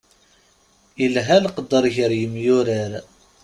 Ilha leqder gar yemyurar.